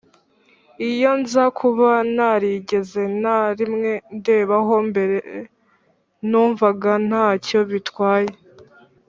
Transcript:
Iyo nza kuba ntarigeze na rimwe ndebaho mbere numvaga nta cyo bitwaye